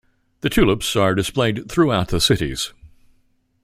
The tulips are displayed throughout the cities.